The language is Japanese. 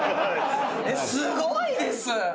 すごいです！